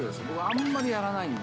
あんまりやらないので。